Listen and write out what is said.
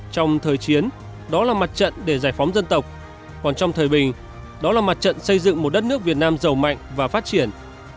trong thời chiến đó là mặt trận để giải phóng dân tộc còn trong thời bình đó là mặt trận xây dựng một đất nước việt nam giàu mạnh và phát triển